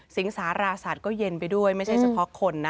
สาราสัตว์ก็เย็นไปด้วยไม่ใช่เฉพาะคนนะ